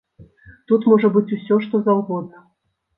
Тут можа быць усё, што заўгодна.